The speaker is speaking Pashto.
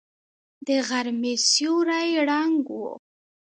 د غرمې سيوری ړنګ و.